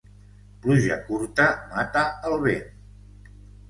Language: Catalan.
Pluja curta mata el vent.